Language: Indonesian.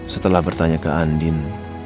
setelah bertanya ke andin